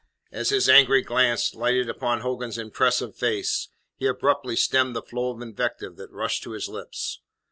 As his angry glance lighted upon Hogan's impressive face, he abruptly stemmed the flow of invective that rushed to his lips.